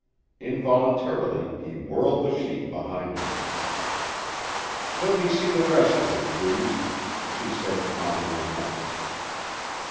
Involuntarily he whirled the sheet behind him. "Let me see the rest of it, please," she said calmly enough.